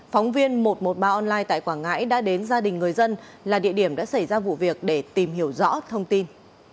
phóng viên một trăm một mươi ba online tại quảng ngãi đã đến gia đình người dân là địa điểm đã xảy ra vụ việc để tìm hiểu rõ thông tin